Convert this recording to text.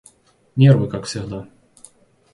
Нервы как всегда.